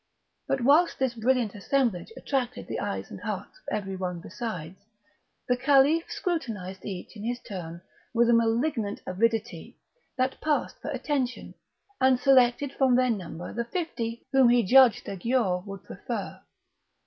But whilst this brilliant assemblage attracted the eyes and hearts of every one besides, the Caliph scrutinized each in his turn with a malignant avidity that passed for attention, and selected from their number the fifty whom he judged the Giaour would prefer.